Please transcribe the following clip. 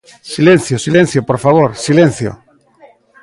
Silencio, silencio, por favor, ¡silencio!